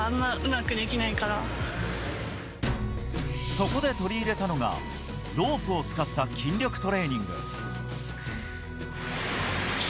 そこで取り入れたのが、ロープを使った筋力トレーニング。